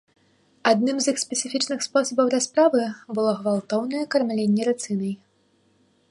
Адным з іх спецыфічных спосабаў расправы было гвалтоўнае кармленне рыцынай.